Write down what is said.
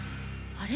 あれ？